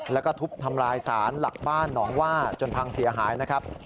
แล้วก็ทุบทำลายสารหลักบ้านหนองว่าจนพังเสียหายนะครับ